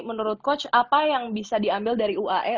menurut coach apa yang bisa diambil dari uae